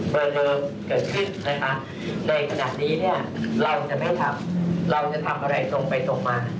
เบอร์เงินเกิดขึ้นในขณะนี้เราจะไม่ทำเราจะทำอะไรตรงไปตรงมา